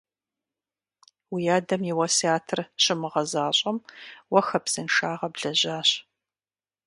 Уи адэм и уэсятыр щумыгъэзэщӀэм, уэ хабзэншагъэ блэжьащ.